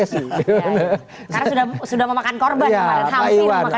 karena sudah memakan korban